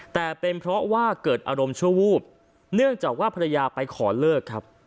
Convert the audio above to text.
แต่เป็นเพราะว่าเกิดอารมณ์ชั่ววูบเนื่องจากว่าภรรยาไปขอเลิกครับ